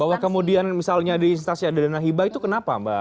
bahwa kemudian misalnya di instansi ada dana hibah itu kenapa mbak